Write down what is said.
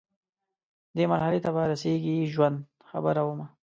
دې مرحلې ته به رسیږي ژوند، خبره ومه